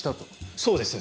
そうです。